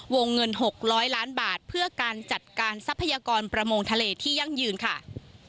วงเงิน๖๐๐ล้านบาทเพื่อการจัดการทรัพยากรประมงทะเลที่ยั่งยืนค่ะ